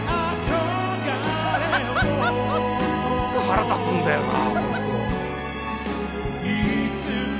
腹立つんだよな。